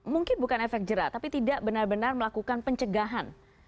mungkin bukan efek jerah tapi tidak benar benar melakukan pencegahan